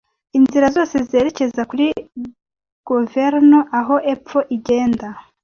Inzira zose zerekeza kuri Governo aho epfo igenda